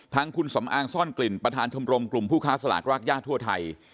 ทางคุณสำอางซ่อนกลิ่นประธานชมรมกลุ่มผู้ค้าสลากรากย่าทั่วไทย